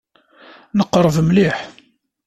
Neqreb mliḥ.